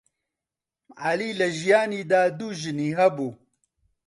عەلی لە ژیانیدا دوو ژنی هەبوو.